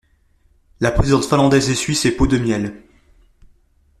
La présidente finlandaise essuie ces pots de miel.